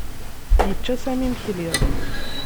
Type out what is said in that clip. Yečča Sami imekli.